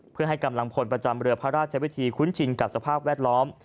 เพื่อให้กำลังพลประจำเรือพระราชวิธีคุ้นชินกับสภาพแวดล้อม